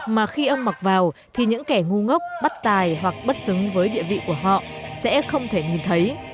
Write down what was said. mà khi ông mặc vào thì những kẻ ngu ngốc bắt tài hoặc bất xứng với địa vị của họ sẽ không thể nhìn thấy